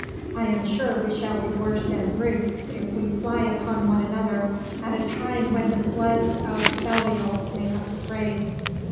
I am sure we shall be worse than Brutes if we fly upon one another at a time when the Floods of Belial make us afraid.